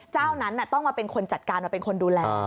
เจ้านั้นต้องมาเป็นคนจัดการมาเป็นคนดูแล